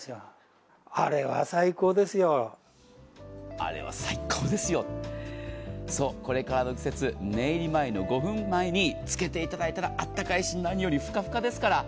あれは最高ですよ、そう、これからの季節寝入り前の５分前につけていただいたらあったかいし、何よりふかふかですから。